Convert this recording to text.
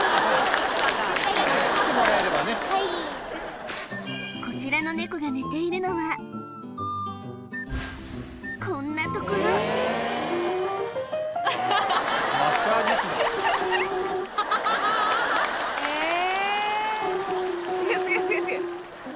はい来てもらえればねこちらのネコが寝ているのはこんな所えっ！？